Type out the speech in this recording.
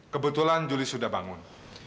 kebetulan julia sudah bangun